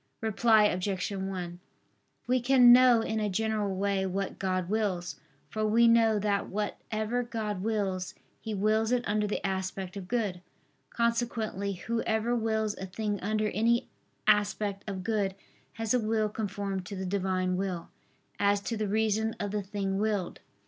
Reply Obj. 1: We can know in a general way what God wills. For we know that whatever God wills, He wills it under the aspect of good. Consequently whoever wills a thing under any aspect of good, has a will conformed to the Divine will, as to the reason of the thing willed.